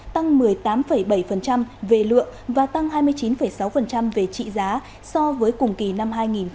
tăng một mươi tám bảy về lượng và tăng hai mươi chín sáu về trị giá so với cùng kỳ năm hai nghìn một mươi chín